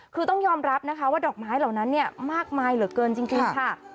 คือต้องยอมรับนะคะว่าดอกไม้เหล่านั้นเนี่ยมากมายเหลือเกินจริงค่ะ